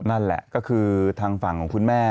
นั่นแหละก็คือทางฝั่งของคุณแม่